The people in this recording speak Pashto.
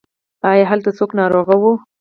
ایا هلته څوک ناروغ و؟